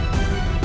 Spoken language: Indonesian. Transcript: aku mau ke rumah